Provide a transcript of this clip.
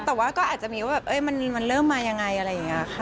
แต่ว่าก็อาจจะมีว่าแบบมันเริ่มมายังไงอะไรอย่างนี้ค่ะ